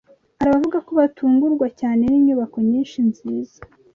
Hari abavuga ko batungurwa cyane n’inyubako nyinshi nziza